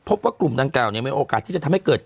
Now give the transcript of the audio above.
พบว่ากลุ่มดังกล่าวมีโอกาสที่จะทำให้เกิด